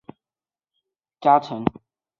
织田信长家臣。